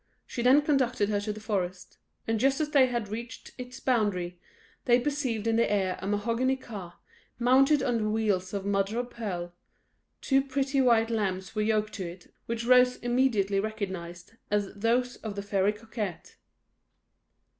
She then conducted her to the forest; and just as they had reached its boundary, they perceived in the air a mahogany car, mounted on wheels of mother o' pearl; two pretty white lambs were yoked to it, which Rose immediately recognised as those of the Fairy Coquette.